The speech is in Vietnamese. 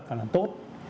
và làm tốt